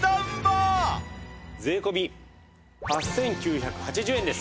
税込８９８０円です。